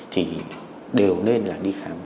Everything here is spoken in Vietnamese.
thì đều nên là đi khám